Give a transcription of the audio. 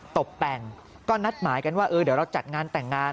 ตกแต่งก็นัดหมายกันว่าเออเดี๋ยวเราจัดงานแต่งงาน